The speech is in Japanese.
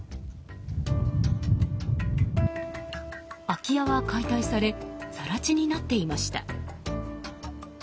空き家は解体され更地になっていました。